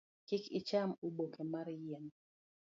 Kik icham oboke mar yien.